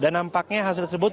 dan nampaknya hasil tersebut